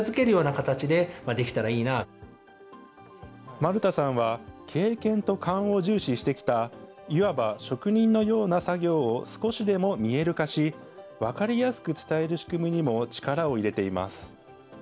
丸田さんは、経験と勘を重視してきたいわば職人のような作業を少しでも見える化し、分かりやすく伝える仕組みにも力を入れています。